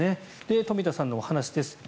富田さんのお話です。